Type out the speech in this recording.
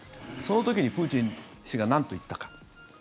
その時にプーチン氏がなんと言ったか。